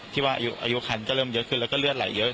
ที่ว่าอายุคันก็เริ่มเยอะขึ้นแล้วก็เลือดไหลเยอะ